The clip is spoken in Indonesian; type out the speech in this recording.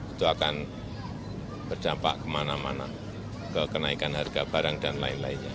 itu akan berdampak kemana mana ke kenaikan harga barang dan lain lainnya